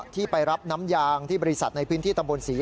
ที่ไปรับน้ำยางที่บริษัทในพื้นที่ตำบลศรี